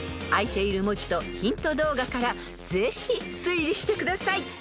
［あいている文字とヒント動画からぜひ推理してください］